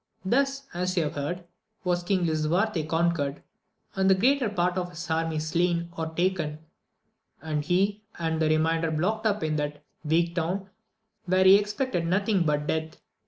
Thus, as you have heard, was King Lisuarte con quered, and the greater part of his 'army slain or taken, and he and the remainder blocked up in that AMADIS OF GAUL. 227 weak town, where he expected nothing but death.